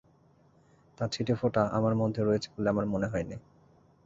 তার ছিটেফোঁটা আমার মধ্যে রয়েছে বলে আমার মনে হয়নি।